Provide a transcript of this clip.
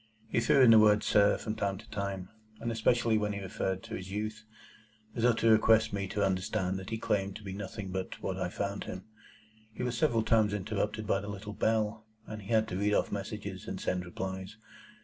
He threw in the word, "Sir," from time to time, and especially when he referred to his youth,—as though to request me to understand that he claimed to be nothing but what I found him. He was several times interrupted by the little bell, and had to read off messages, and send replies.